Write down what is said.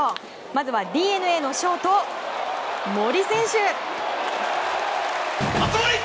まずはＤｅＮＡのショート森選手。